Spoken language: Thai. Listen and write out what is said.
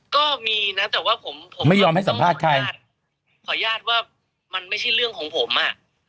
ก็มีนะแต่ว่าผมขออนุญาตว่ามันไม่ใช่เรื่องของผมอะ